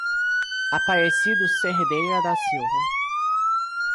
Aparecido Cerdeira da Silva